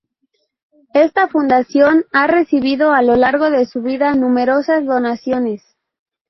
Esta fundación ha recibido a lo largo de su vida numerosas donaciones.